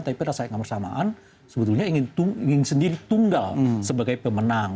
tapi pada saat yang bersamaan sebetulnya ingin sendiri tunggal sebagai pemenang